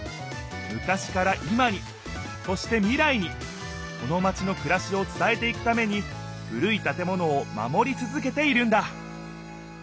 昔から今にそして未来にこのマチのくらしを伝えていくために古い建物を守り続けているんだ